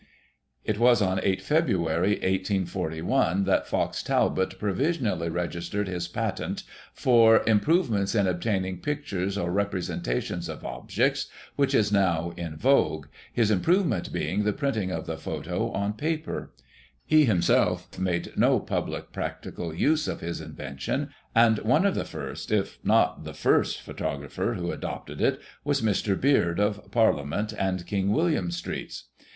'" It was on 8 Feb., 1841, that Fox Talbot provisionally regis tered his patent " for improvements in obtaining pictures, or representations of objects," which is now in vogue, his im provement being the printing of the photo on paper. He, Digiti ized by Google 1842] STRAWBERRY HILL SALE. 185 himself, made no public practical use of his invention, and one of the first, if not the first photographer who adopted it was Mr. Beard, of Parliament and King William Streets.